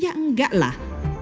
ya enggak lah